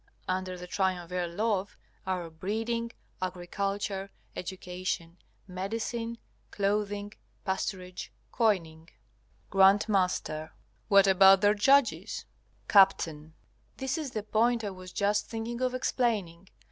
Under the triumvir Love are Breeding, Agriculture, Education, Medicine, Clothing, Pasturage, Coining. G.M. What about their judges? Capt. This is the point I was just thinking of explaining.